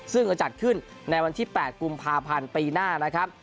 ซึ่งจะจัดขึ้นในวันที่๘กุมภาพันธ์ปีหน้านะครับ